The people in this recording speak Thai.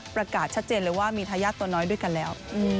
ประกาศชัดเจนเลยว่ามีทายาทตัวน้อยด้วยกันแล้ว